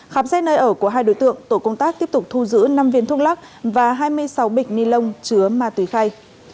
khám xét nơi ở của hai đối tượng tổ công tác tiếp tục thu giữ năm viên thuốc lắc và hai mươi sáu bịch ni lông chứa ma túy khay